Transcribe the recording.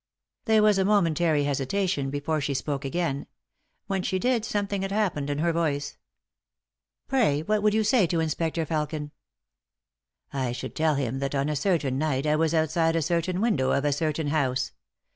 There was a momentary hesitation before she spoke again. When she did something had happened to her voice. " Pray, what would you say to Inspector Felkin ?"" I should tell him that on a certain night I was out side a certain window of a certain house.